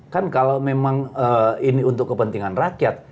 kan kalau memang ini untuk kepentingan rakyat